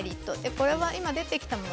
これは今、出てきたもの